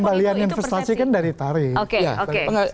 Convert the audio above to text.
kembalian investasi kan dari tarif